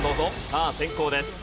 さあ先攻です。